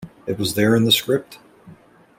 It was there in the script.